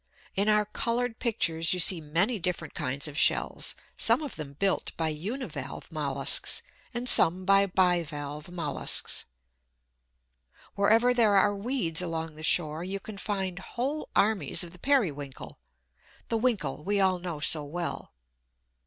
In our coloured pictures you see many different kinds of shells, some of them built by uni valve molluscs and some by bi valve molluscs. Wherever there are weeds along the shore you can find whole armies of the Periwinkle the "Winkle" we all know so well.